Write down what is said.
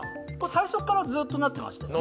最初からずっとなってましたよね